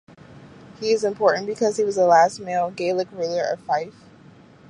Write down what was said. He is important because he was the last male Gaelic ruler of Fife.